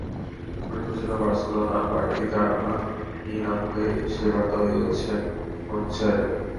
ক্রুইফের জন্য বার্সেলোনা বাড়তি তাড়না নিয়ে নামবে, সেই বার্তাও দিয়েছেন অনুচ্চারে।